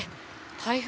台風